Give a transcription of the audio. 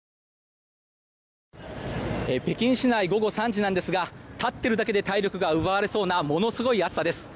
北京市内午後３時なんですが立っているだけで体力が奪われそうなものすごい暑さです。